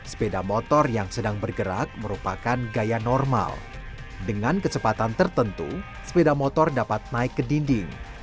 sepeda motor yang sedang bergerak merupakan gaya normal dengan kecepatan tertentu sepeda motor dapat naik ke dinding